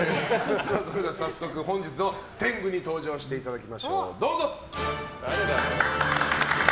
それでは早速、本日の天狗に登場していただきましょう。